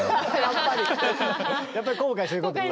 やっぱり後悔することも。